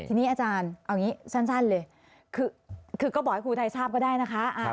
ทีนี้อาจารย์เอาอย่างนี้สั้นเลยคือก็บอกให้ครูไทยทราบก็ได้นะคะ